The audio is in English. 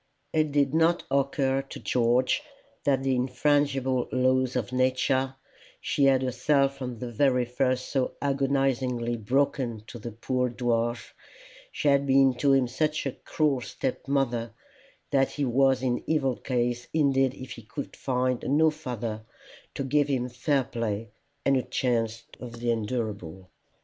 It did not occur to George that the infrangible laws of Nature she had herself from the very first so agonizingly broken to the poor dwarf, she had been to him such a cruel step mother, that he was in evil case indeed if he could find no father to give him fair play and a chance of the endurable.